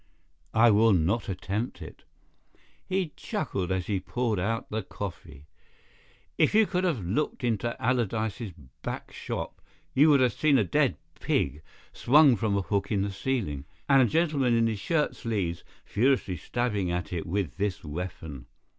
"I will not attempt it." He chuckled as he poured out the coffee. "If you could have looked into Allardyce's back shop, you would have seen a dead pig swung from a hook in the ceiling, and a gentleman in his shirt sleeves furiously stabbing at it with this weapon.